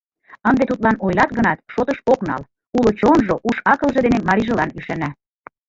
Ынде тудлан ойлат гынат, шотыш ок нал: уло чонжо, уш-акылже дене марийжылан ӱшана.